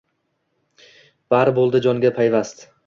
Bari boʼldi jonga payvast.